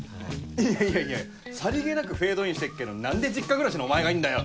いやいやさりげなくフェードインしてっけど何で実家暮らしのお前がいんだよ！